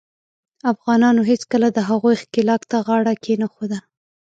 افغانانو هیڅکله د هغوي ښکیلاک ته غاړه کښېنښوده.